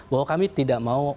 bahwa kami tidak mau